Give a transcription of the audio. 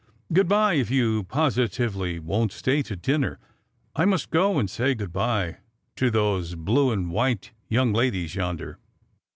Good bye, if you positively won't stay to dinner. I must go and say good bye to those blue and white young ladies yonder."